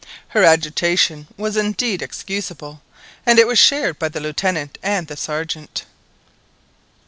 Her agitation was indeed excusable, and it was shared by the Lieutenant and the Sergeant.